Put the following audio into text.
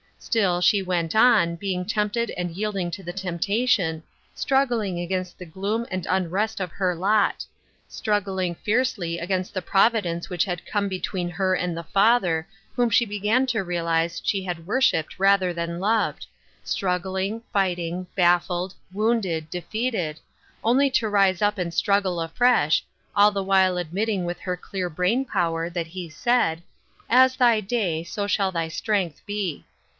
Still she went on, being tempted and yielding to the temptation, struggling against the gloom and unrest of her lot — struggling Qercely against the providence which had come between her and the Father, whom she began to realize she had worshiped rather than loved — struggling, fighting, baffled, wounded, defeated — only to rise up and struggle afresh, all the while admitting with her clear brain power that he said :" As thy day, so shall thy strength be."